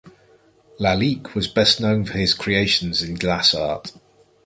Lalique was best known for his creations in glass art.